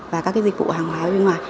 và các dịch vụ hàng hóa ở bên ngoài